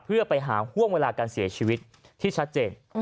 เพื่อไปหาห่วงเวลาการเสียชีวิตที่ชัดเจน